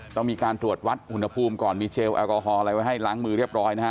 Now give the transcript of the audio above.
ต้องมีการตรวจวัดอุณหภูมิก่อนมีเจลแอลกอฮอลอะไรไว้ให้ล้างมือเรียบร้อยนะฮะ